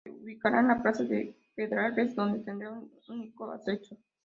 Se ubicará en la Plaza de Pedralbes donde tendrá un único acceso.